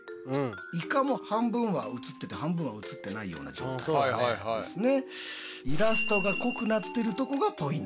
いかも半分は映ってて半分は映ってないような状態ですね。